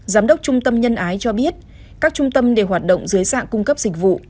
giám đốc trung tâm nhân ái cho biết các trung tâm đều hoạt động dưới dạng cung cấp dịch vụ